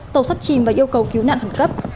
tàu sắp chìm và yêu cầu cứu nạn khẩn cấp